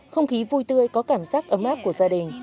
không khí vui tươi có cảm giác ấm áp của gia đình